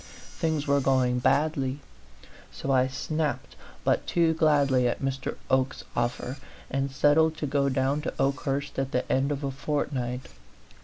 Things were going badly. So I snapped but too gladly at Mr. Oke's offer, and settled to go down to Okehurst at the end of a fortnight.